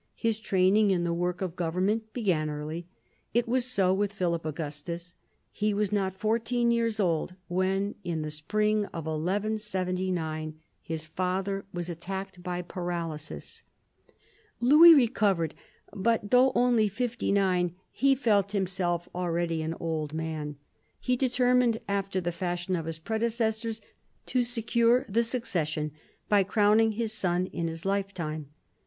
His training in the work of government began early. It was so with Philip Augustus. He was not fourteen years old when, in the spring of 1179, his father was attacked by paralysis. Louis recovered, but, though only fifty nine, he felt himself already an old man. He determined, after the fashion of his predecessors, to secure the succession by crowning his son in his life time.